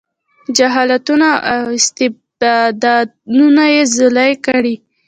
جهالتونو او استبدادونو یې ځالې کړي.